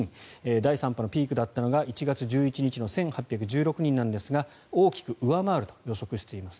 第３波のピークだったのが１月１１日の１８１６人ですが大きく上回ると予測しています。